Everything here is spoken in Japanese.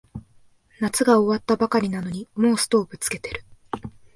夏が終わったばかりなのにもうストーブつけてる